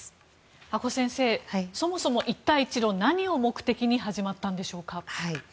阿古先生そもそも一帯一路は何を目的に始まったんでしょうか。